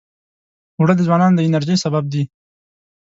اوړه د ځوانانو د انرژۍ سبب دي